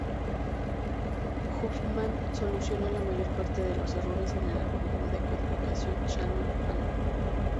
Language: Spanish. Huffman solucionó la mayor parte de los errores en el algoritmo de codificación Shannon-Fano.